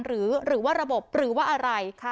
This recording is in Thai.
หรือว่าระบบหรือว่าอะไร